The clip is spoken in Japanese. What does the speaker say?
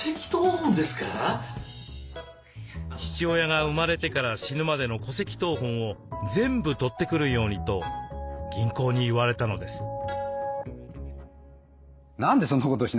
父親が生まれてから死ぬまでの戸籍謄本を全部取ってくるようにと銀行に言われたのです。